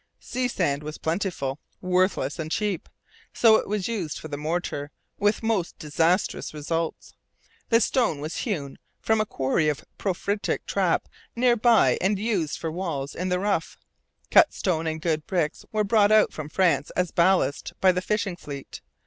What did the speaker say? Sea sand was plentiful, worthless, and cheap. So it was used for the mortar, with most disastrous results. The stone was hewn from a quarry of porphyritic trap near by and used for the walls in the rough. Cut stone and good bricks were brought out from France as ballast by the fishing fleet.